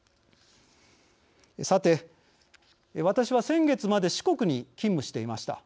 さて、私は先月まで四国に勤務していました。